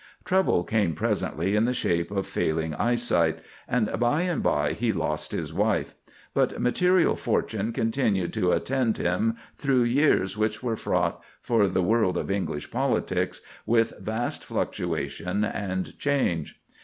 Trouble came presently in the shape of failing eyesight, and by and by he lost his wife; but material fortune continued to attend him through years which were fraught, for the world of English politics, with vast fluctuation and change.